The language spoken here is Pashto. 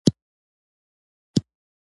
چې بهلول به څه وایي.